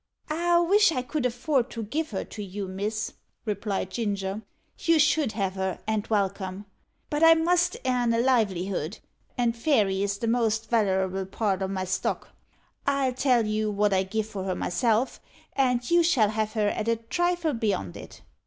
"I wish I could afford to give her to you, miss," replied Ginger; "you should have her, and welcome. But I must airn a livelihood, and Fairy is the most wallerable part o' my stock. I'll tell you wot I give for her myself, and you shall have her at a trifle beyond it.